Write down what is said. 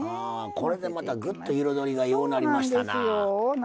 これで、また、ぐっと色どりが、ようなりましたな。